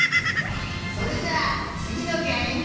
それじゃあつぎのげえむ！